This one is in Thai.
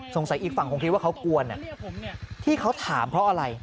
อีกฝั่งคงคิดว่าเขากวนที่เขาถามเพราะอะไร